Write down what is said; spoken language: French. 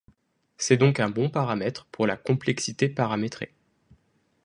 C'est donc un bon paramètre pour la complexité paramétrée.